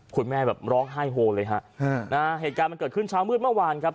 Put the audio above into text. คุณแม่แบบร้องไห้โฮเลยฮะนะฮะเหตุการณ์มันเกิดขึ้นเช้ามืดเมื่อวานครับ